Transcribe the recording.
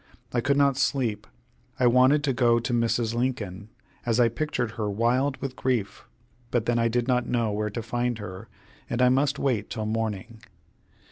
I could not sleep. I wanted to go to Mrs. Lincoln, as I pictured her wild with grief; but then I did not know where to find her, and I must wait till morning.